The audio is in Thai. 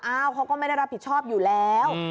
เขาก็ไม่ได้รับผิดชอบอยู่แล้ว